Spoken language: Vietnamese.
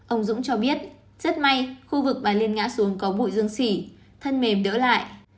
ông dũng cho biết rất may khu vực bà liên ngã xuống có bụi dương sỉ thân mềm đỡ lại